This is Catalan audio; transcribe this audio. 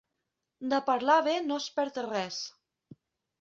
De parlar bé no es perd res.